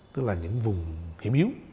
tức là những vùng hiểm yếu